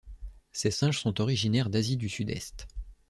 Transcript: Ces singes sont originaires d'Asie du Sud-Est.